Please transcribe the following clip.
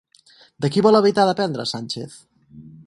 De qui vol evitar dependre Sánchez?